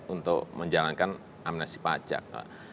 untuk menjalankan amnesti pajak